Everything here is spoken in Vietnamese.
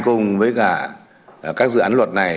cùng với các dự án luật này